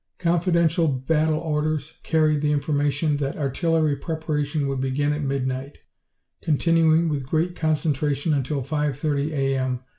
Confidential battle orders carried the information that artillery preparation would begin at midnight, continuing with great concentration until 5:30 a.m.